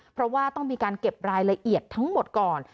เพราะว่าต้องมีการเก็บรายละเอียดทั้งหมดก่อน